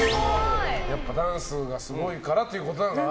やっぱダンスがすごいからっていうことなのかな。